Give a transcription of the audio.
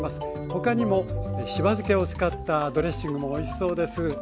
他にもしば漬けを使ったドレッシングもおいしそうです。